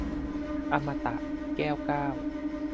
อมตะ - แก้วเก้า